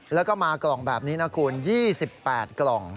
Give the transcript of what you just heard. แล้วก็มากล่องแบบนี้นะคุณ๒๘กล่อง